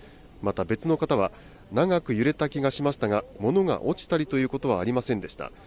また別の方は、長く揺れた気がしましたが、物が落ちたりということはありませんでした。